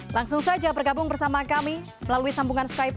langsung saja bergabung bersama kami melalui sambungan skype